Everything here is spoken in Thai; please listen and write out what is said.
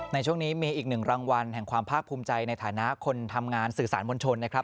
ในช่วงนี้มีอีกหนึ่งรางวัลแห่งความภาคภูมิใจในฐานะคนทำงานสื่อสารมวลชนนะครับ